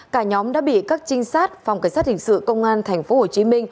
cả nhóm đã bị các trinh sát phòng cảnh sát hình sự công an tp hcm